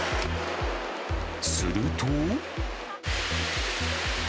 すると。